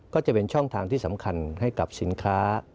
ก็จะเป็นช่องทางที่สำคัญให้กับสินค้า